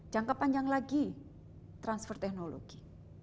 jangka panjang lagi transfer teknologi